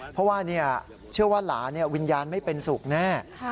เพราะว่าเชื่อว่าหลานวิญญาณไม่เป็นสุขแน่